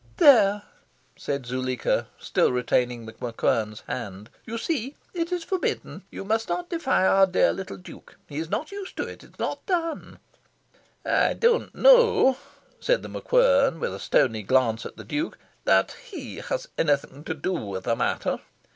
"There," said Zuleika, still retaining The MacQuern's hand, "you see, it is forbidden. You must not defy our dear little Duke. He is not used to it. It is not done." "I don't know," said The MacQuern, with a stony glance at the Duke, "that he has anything to do with the matter."